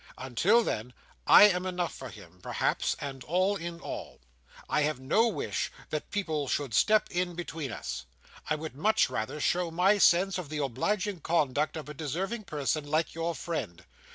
Until then, I am enough for him, perhaps, and all in all. I have no wish that people should step in between us. I would much rather show my sense of the obliging conduct of a deserving person like your friend.